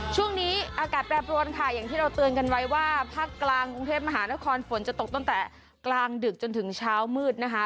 ช่วงนี้อากาศแปรปรวนค่ะอย่างที่เราเตือนกันไว้ว่าภาคกลางกรุงเทพมหานครฝนจะตกตั้งแต่กลางดึกจนถึงเช้ามืดนะคะ